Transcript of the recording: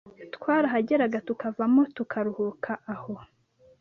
twarahageraga tukavamo tukaruhuka aho